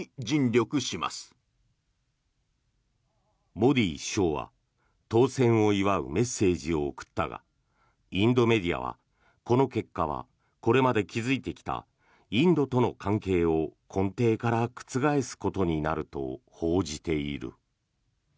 モディ首相は当選を祝うメッセージを送ったがインドメディアはこの結果はこれまで築いてきたインドとの関係を根底から覆すことになると報じている。